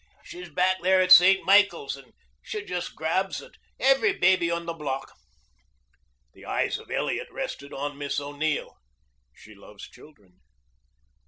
She's back there at St. Michael's, and she just grabs at every baby in the block." The eyes of Elliot rested on Miss O'Neill. "She loves children."